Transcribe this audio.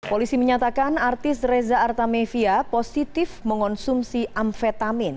polisi menyatakan artis reza artamevia positif mengonsumsi amfetamin